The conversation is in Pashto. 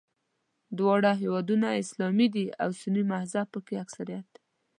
دواړه هېوادونه اسلامي دي او سني مذهب په کې اکثریت دی.